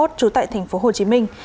trú tại thành phố hồ chí minh